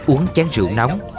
uống chán rượu nóng